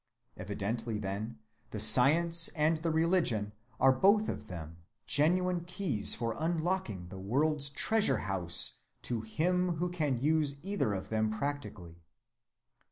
Evidently, then, the science and the religion are both of them genuine keys for unlocking the world's treasure‐ house to him who can use either of them practically.